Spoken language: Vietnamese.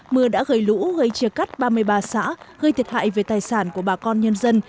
mưa đã gây lũ gây chia cắt ba mươi ba xã gây thiệt hại về tài sản của bà con nhân dân